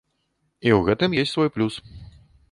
І ў гэтым ёсць свой плюс.